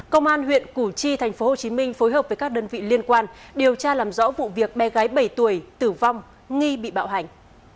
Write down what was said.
công an huyện củ chi tp hcm phối hợp với các đơn vị liên quan điều tra làm rõ vụ việc bé gái bảy tuổi tử vong nghi bị bạo hành